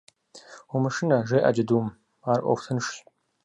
- Умышынэ! - жеӀэ джэдум. - Ар Ӏуэху тыншщ.